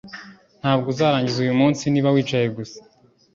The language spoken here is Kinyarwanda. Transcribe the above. Ntabwo uzarangiza uyumunsi niba wicaye gusa